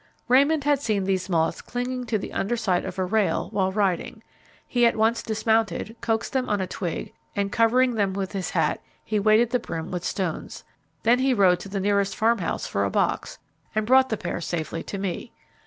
Raymond had seen these moths clinging to the under side of a rail while riding. He at once dismounted, coaxed them on a twig, and covering them with his hat, he weighted the brim with stones. Then he rode to the nearest farm house for a box, and brought the pair safely to me.